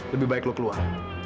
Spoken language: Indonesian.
lebih baik lo keluar